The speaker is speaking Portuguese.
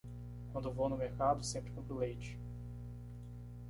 Quando vou no mercado, sempre compro leite.